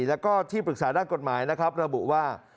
แล้วก็ที่ปรึกษาด้านกฎหมายนะครับระบุว่า